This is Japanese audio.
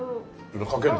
かけるの？